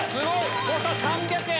誤差３００円！